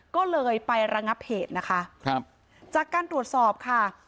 ก็เลยไประงับเหตุนะคะครับจากการตรวจสอบค่ะ